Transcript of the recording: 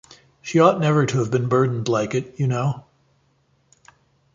She ought never to have been burdened like it, you know.